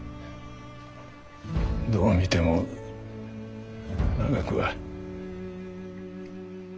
どう見ても長くは。